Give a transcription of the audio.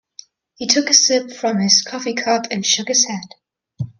He took a sip from his coffee cup and shook his head.